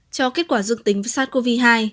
cho kết quả dương tính với sars cov hai